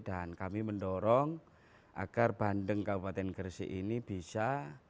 dan kami mendorong agar bandeng kabupaten gresik ini bisa